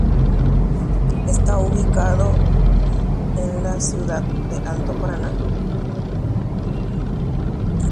Oĩhína tetãvore Alto Paranáme.